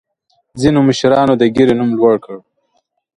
ځینې مشرانو د ګیرې نوم لوړ کړ.